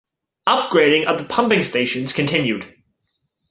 Upgrading of the pumping stations continued.